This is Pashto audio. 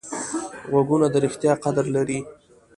غوږونه د ریښتیا قدر لري